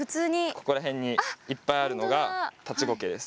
ここら辺にいっぱいあるのがタチゴケです。